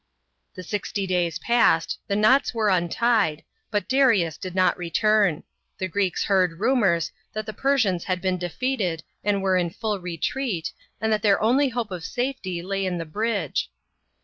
The sixty days passed, the knots were untied, but Darius did not return. The Greeks heard rumours, that the Persians had been defeated and were in full retreat, and that their only hope of safety lay in the bridge.